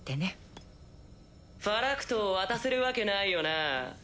ピッ・ファラクトを渡せるわけないよな。